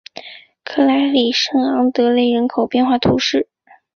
克莱里圣昂德雷人口变化图示